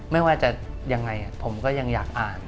ไม่ว่าจะยังไงผมก็ยังอยากอ่าน